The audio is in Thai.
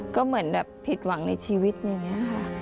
ก็เหมือนแบบผิดหวังในชีวิตอย่างนี้ค่ะ